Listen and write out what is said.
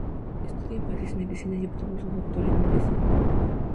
Estudia en París, Medicina y obtuvo su doctor en Medicina.